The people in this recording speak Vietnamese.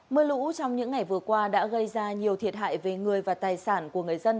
mưa lũ trong những ngày vừa qua đã gây ra nhiều thiệt hại về người và tài sản của người dân